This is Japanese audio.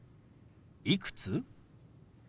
「いくつ？」。